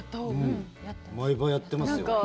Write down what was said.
毎晩やってますよ。